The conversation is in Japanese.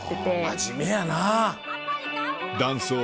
真面目やな。